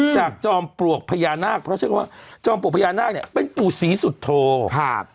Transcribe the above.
จอมปลวกพญานาคเพราะใช้คำว่าจอมปลวกพญานาคเนี่ยเป็นปู่ศรีสุโธครับ